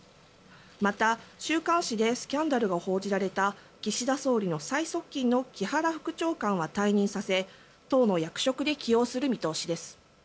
また、週刊誌でスキャンダルが報じられた岸田総理の最側近の木原副長官は退任させ党の役職で起用する見通しです。